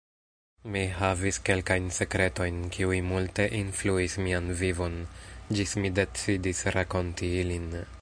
Mi havis kelkajn sekretojn kiuj multe influis mian vivon, ĝis mi decidis rakonti ilin.